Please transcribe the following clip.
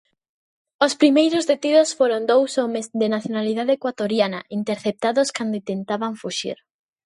Os primeiros detidos foron dous homes de nacionalidade ecuatoriana, interceptados cando intentaban fuxir.